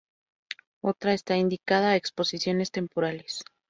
Otra está dedicada a exposiciones temporales.